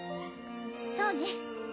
そうね。